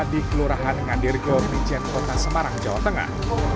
di kelurahan ngandirgo bicen kota semarang jawa tengah